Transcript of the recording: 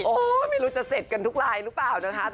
โอ้โหไม่รู้จะเสร็จกันทุกลายหรือเปล่านะคะ